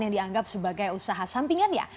yang dianggap sebagai usaha sampingan ya